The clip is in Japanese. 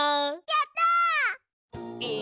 やった！え